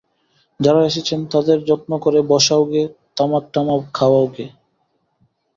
যাঁরা এসেছেন, তাঁদের যত্ন করে বসাওগে, তামাক-টামাক খাওয়াওগে।